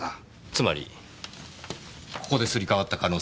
つまりここですり替わった可能性が高いですね。